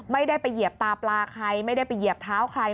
ไม่ได้ไปเหยียบตาปลาใครไม่ได้ไปเหยียบเท้าใคร